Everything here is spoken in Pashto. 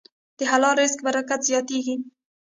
د حلال رزق برکت زیاتېږي.